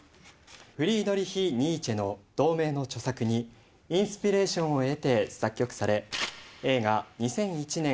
フリードリヒ・ニーチェの同名の著作にインスピレーションを得て作曲され映画『２００１年